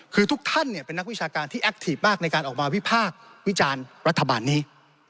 คือทุกท่านเป็นนักวิชาการที่แอคทีฟมากในการออกมาวิพากษ์วิจารณ์รัฐบาลนี้